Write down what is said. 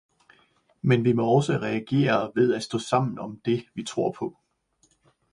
Men vi må også reagere ved at stå sammen om det, vi tror på.